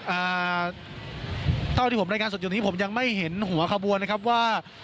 อ่าเท่าที่ผมรายงานสดอยู่นี้ผมยังไม่เห็นหัวขบวนนะครับว่า